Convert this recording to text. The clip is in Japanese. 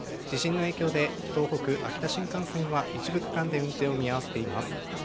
地震の影響で、東北、秋田新幹線は一部区間で運転を見合わせています。